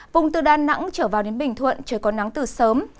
vùng từ đà nẵng trở vào đến bình thuận trời có nắng từ sớm